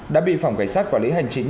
đã bị phòng cảnh sát quản lý hành chính